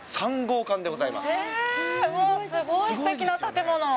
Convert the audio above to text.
すごいすてきな建物。